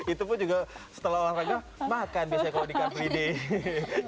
itu pun juga setelah olahraga makan biasanya kalau di carpe diem